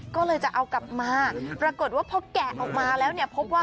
ก็เลยจะเอากลับมาปรากฏว่าพอแกะออกมาแล้วเนี่ยพบว่า